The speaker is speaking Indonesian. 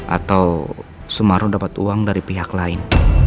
atau sumarno dapat uang dari pihak lain